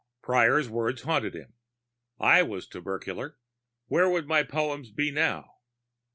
Prior's words haunted him. _I was tubercular ... where would my poems be now?